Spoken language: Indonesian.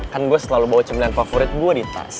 kan gue selalu bawa cemilan favorit gue di tas